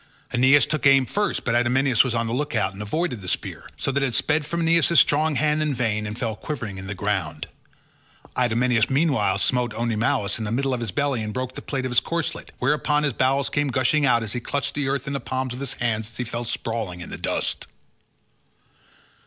Aeneas took aim first, but Idomeneus was on the look out and avoided the spear, so that it sped from Aeneas' strong hand in vain, and fell quivering in the ground. Idomeneus meanwhile smote Oenomaus in the middle of his belly, and broke the plate of his corslet, whereon his bowels came gushing out and he clutched the earth in the palms of his hands as he fell sprawling in the dust.